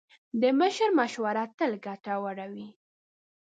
د مشر مشوره تل ګټوره وي.